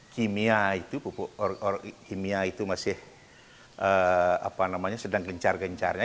kimia itu pupuk kimia itu masih sedang gencar gencarnya